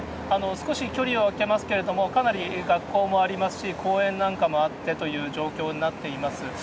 少し距離をあけますけれども、かなり学校もありますし、公園なんかもあってという状況になっています。